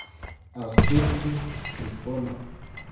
Aŭskultu, Trifono.